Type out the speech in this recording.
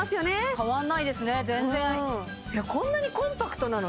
変わんないですね